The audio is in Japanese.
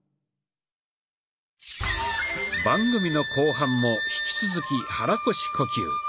番組の後半も引き続き肚腰呼吸。